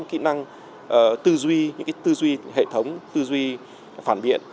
kỹ năng tư duy những tư duy hệ thống tư duy phản biện